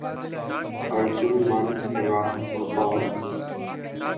ارجن من را مپال